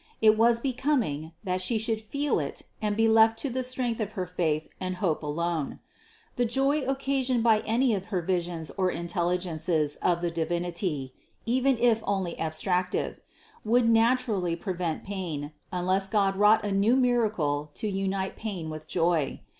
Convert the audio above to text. It was becoming, that She should feel it and be left to the strength of her faith and hope alone. The joy occasioned by any of her visions or intelligences of the Divinity (even if only abstractive), would naturally pre vent pain, unless God wrought a new miracle to unite pain with joy.